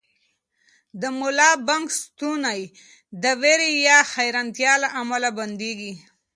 د ملا بانګ ستونی د وېرې یا حیرانتیا له امله بندېږي.